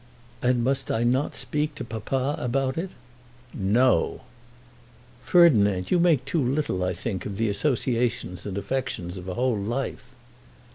"And must I not speak to papa about it?" "No!" "Ferdinand, you make too little, I think, of the associations and affections of a whole life."